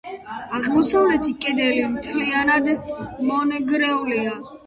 აღმოსავლეთი კედელი მთლიანად მონგრეულია.